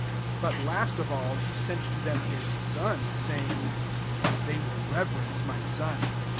37 " But last (ifaUj he sent to them his son, saying, * They will reverence my son.